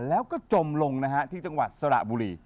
แล้วก็จมลงนะฮะที่จังหวัดสระบุรี